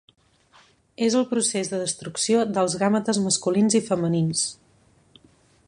És el procés de destrucció dels gàmetes masculins i femenins.